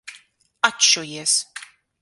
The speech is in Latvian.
Atšujies!